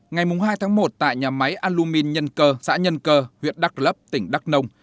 ngày hai tháng một tại nhà máy alumin nhân cơ xã nhân cơ huyện đắk lấp tỉnh đắk nông